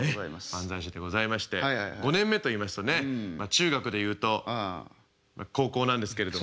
漫才師でございまして５年目といいますとねまあ中学でいうと高校なんですけれども。